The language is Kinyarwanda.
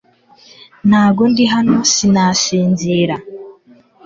ntabwo ndi hano; sinasinzira